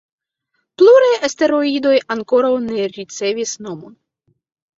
Pluraj asteroidoj ankoraŭ ne ricevis nomon.